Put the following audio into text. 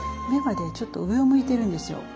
目はねちょっと上を向いてるんですよ。